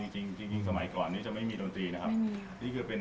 จริงเราก็เริ่มร่วมม่ายมาหลายปีแล้ว